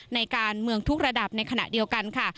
ในการเมืองทุกระดับในขณะเดียวกันค่ะ